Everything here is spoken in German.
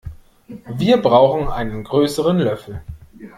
Wir brauchen einen größeren Löffel.